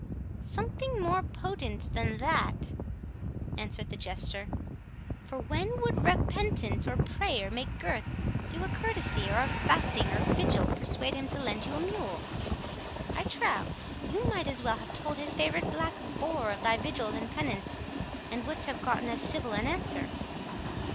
"Something more potent than that," answered the Jester; "for when would repentance or prayer make Gurth do a courtesy, or fasting or vigil persuade him to lend you a mule?—I trow you might as well have told his favourite black boar of thy vigils and penance, and wouldst have gotten as civil an answer."